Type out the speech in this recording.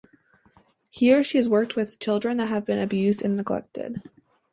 Here she worked with children that had been abused and neglected.